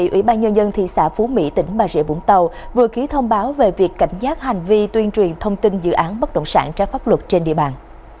ủy ban nhân dân thị xã phú mỹ tỉnh bà rịa vũng tàu vừa ký thông báo về việc cảnh giác hành vi tuyên truyền thông tin dự án bất động sản trái pháp luật trên địa bàn